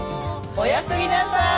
おやすみなさい。